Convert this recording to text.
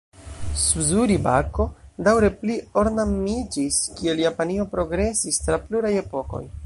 Suzuri-bako daŭre pli-ornamiĝis, kiel Japanio progresis tra pluraj epokoj.